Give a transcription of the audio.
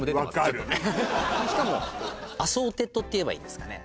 わかるしかもアソーテッドっていえばいいんですかね